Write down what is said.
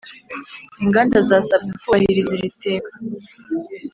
inganda zasabwe kubahiriza iri teka